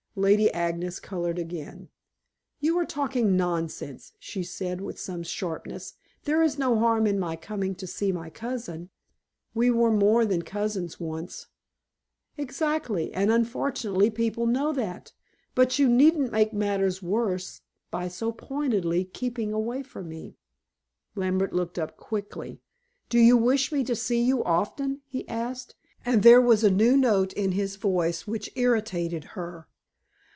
Lady Agnes colored again. "You are talking nonsense," she said with some sharpness. "There is no harm in my coming to see my cousin." "We were more than cousins once." "Exactly, and unfortunately people know that. But you needn't make matters worse by so pointedly keeping away from me." Lambert looked up quickly. "Do you wish me to see you often?" he asked, and there was a new note in his voice which irritated her.